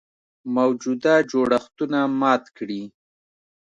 موجوده جوړښتونه مات کړي.